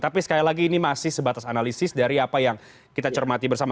tapi sekali lagi ini masih sebatas analisis dari apa yang kita cermati bersama